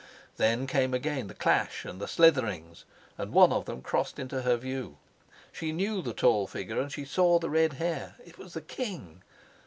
Then came again the clash and the slitherings; and one of them crossed into her view. She knew the tall figure and she saw the red hair: it was the king.